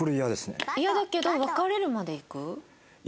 嫌だけど別れるまでいく？